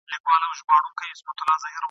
سره جمع به رندان وي ته به یې او زه به نه یم ..